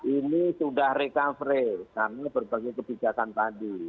ini sudah recovery karena berbagai kebijakan tadi